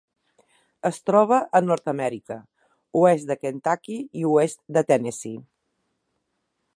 Es troba a Nord-amèrica: oest de Kentucky i oest de Tennessee.